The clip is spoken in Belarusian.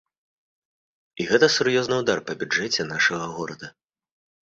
І гэта сур'ёзны ўдар па бюджэце нашага горада.